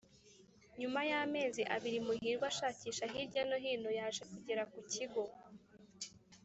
nyuma y'amezi abiri muhirwa ashakisha hirya no hino yaje kugera ku kigo